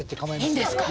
いいんですか？